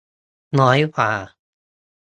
น้อยกว่า